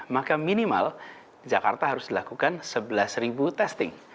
maka minimal jakarta harus dilakukan sebelas testing